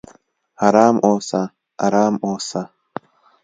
"ارام اوسه! ارام اوسه!"